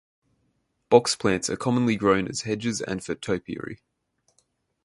Box plants are commonly grown as hedges and for topiary.